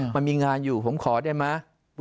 มันมีงานอยู่ผมขอได้ไหม